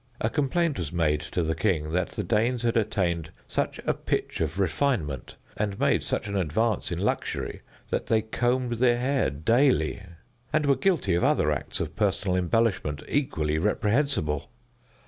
A complaint was made to the king that the Danes had attained such a pitch of refinement, and made such an advance in luxury, that they combed their hair daily, and were guilty of other acts of personal embellishment equally reprehensible.